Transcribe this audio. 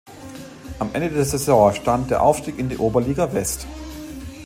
Am Ende der Saison stand der Aufstieg in die Oberliga West.